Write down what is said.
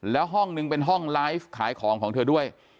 แล้วห้องนึงเป็นห้องไลฟ์ขายของของเธอด้วย